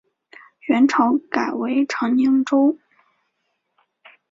元朝改为长宁州。